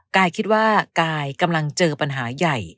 กายคิดว่ากายกำลังเจอปัญหาใหญ่